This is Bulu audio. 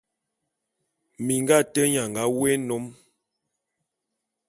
Minga ate nnye a nga wôé nnôm.